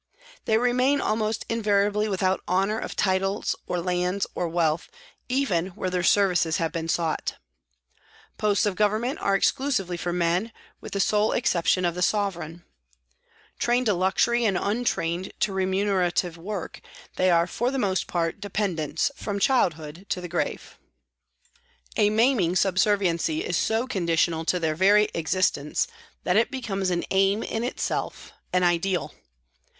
They remain almost invariably without honour of titles or lands or wealth, even where their services have been sought. Posts of Government are exclusively for men, with the sole 40 PRISONS AND PRISONERS exception of the Sovereign. Trained to luxury and untrained to remunerative work, they are for the most part dependents from childhood to the grave. A maiming subserviency is so conditional to their very existence that it becomes an aim in itself, an ideal.